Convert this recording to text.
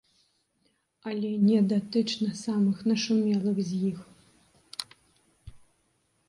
Але не датычна самых нашумелых з іх.